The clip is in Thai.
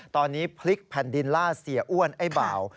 ตอนนี้พลิกแผ่นดินล่าเสียอ้วนไอ้บ่าว